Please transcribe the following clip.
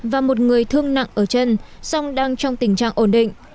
và một người thương nặng ở chân song đang trong tình trạng ổn định